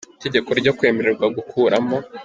Itegeko ryo kwemererwa gukuramo